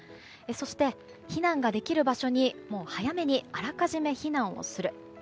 そして、避難ができる場所に早めにあらかじめ避難をする。